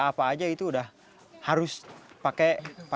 dan jawa dari itu juga seperti padi ra